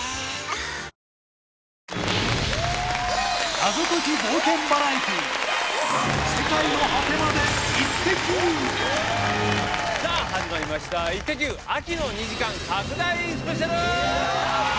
謎とき冒険バラエティー、さあ、始まりました、イッテＱ！、秋の２時間拡大スペシャル！